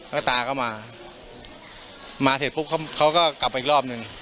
แล้วตาก็มามาเสร็จปุ๊บเขาก็กลับไปอีกรอบหนึ่ง